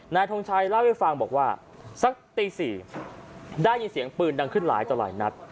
ทงชัยเล่าให้ฟังบอกว่าสักตี๔ได้ยินเสียงปืนดังขึ้นหลายต่อหลายนัด